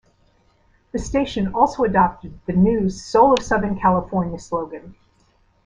The station also adopted the new "Soul of Southern California" slogan.